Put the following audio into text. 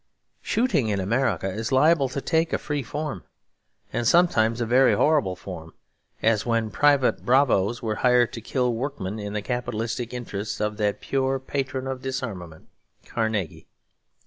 Shooting in America is liable to take a free form, and sometimes a very horrible form; as when private bravos were hired to kill workmen in the capitalistic interests of that pure patron of disarmament, Carnegie.